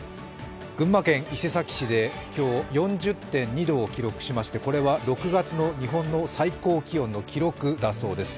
群馬県伊勢崎市で今日、４０．２度を記録しましてこれは６月の日本の最高気温の記録だそうです。